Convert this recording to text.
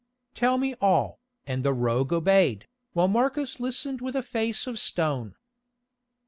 "Tell me all," and the rogue obeyed, while Marcus listened with a face of stone.